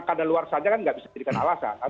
keadaan luar saja kan tidak bisa dijadikan alasan